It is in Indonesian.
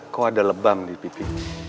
kok ada lebam di pipi